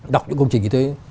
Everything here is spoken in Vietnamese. đọc những công trình như thế